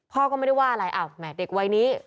พ่อก็ไม่ได้ว่าอะไรอ้าวแหม่เด็กวัยนี้